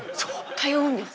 通うんです。